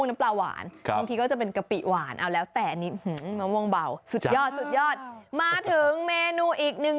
มาถึงเมนูอีกหนึ่ง